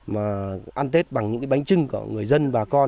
mà ăn tết bằng những cái bánh trưng của người dân bà con